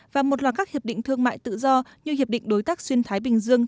và một loạt các hiệp định thương mại tự do như hiệp định đối tác xuyên thái bình dương